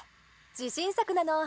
「自信作なの」。